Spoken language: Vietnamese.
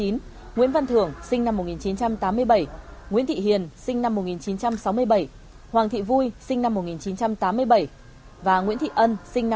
nguyễn văn thưởng sinh năm một nghìn chín trăm tám mươi bảy nguyễn thị hiền sinh năm một nghìn chín trăm sáu mươi bảy hoàng thị vui sinh năm một nghìn chín trăm tám mươi bảy và nguyễn thị ân sinh năm một nghìn chín trăm tám